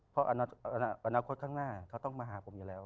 เพราะอนาคตข้างหน้าเขาต้องมาหาผมอยู่แล้ว